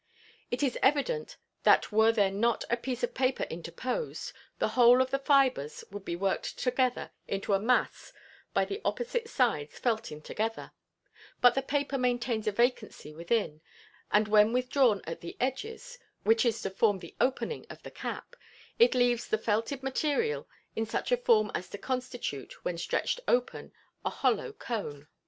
It is evident that were there not a piece of paper interposed, the whole of the fibers would be worked together into a mass by the opposite sides felting together, but the paper maintains a vacancy within, and when withdrawn at the edge which is to form the opening of the cap, it leaves the felted material in such a form as to constitute, when stretched open, a hollow cone.